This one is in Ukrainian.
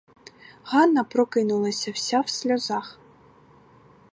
Ганна прокинулася вся в сльозах.